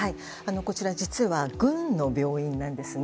こちら実は軍の病院なんですね。